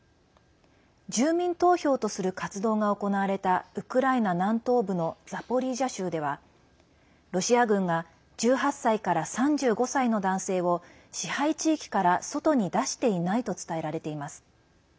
住民投票とする活動が行われたウクライナ南東部のザポリージャ州ではロシア軍が１８歳から３５歳の男性を支配地域から外に出していないと伝えられています。